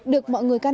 được mọi người can đảm